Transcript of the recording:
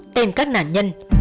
tên các nạn nhân